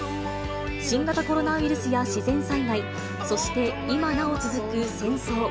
新型コロナウイルスや自然災害、そして今なお続く戦争。